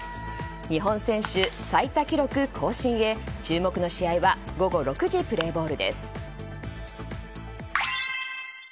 日本選手最多記録更新へ注目の試合は午後６時プレーボールです。